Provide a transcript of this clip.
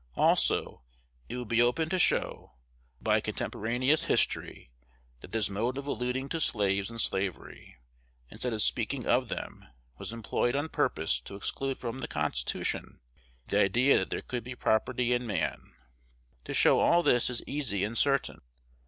Also it would be open to show, by contemporaneous history, that this mode of alluding to slaves and slavery, instead of speaking of them, was employed on purpose to exclude from the Constitution the idea that there could be property in man. To show all this is easy and certain.